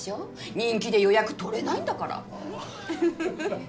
人気で予約取れないんだからウフフ。